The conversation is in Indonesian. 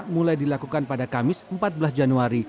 mulai dilakukan pada kamis empat belas januari